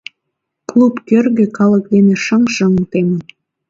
Клуб кӧргӧ калык дене шыҥ-шыҥ темын.